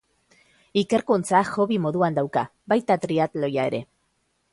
Ikerkuntza hobby moduan dauka, baita triatloia ere.